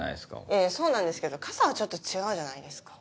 いやいやそうなんですけど傘はちょっと違うじゃないですか。